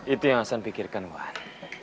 itu yang asan pikirkan wan